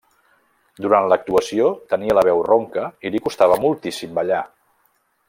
Durant l'actuació, tenia la veu ronca i li costava moltíssim ballar.